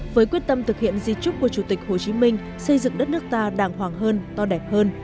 với quyết tâm thực hiện di trúc của chủ tịch hồ chí minh xây dựng đất nước ta đàng hoàng hơn to đẹp hơn